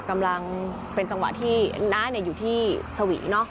กำลังเป็นจังหวะที่น้าอยู่ที่สวี